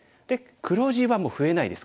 黒地はもう増えないです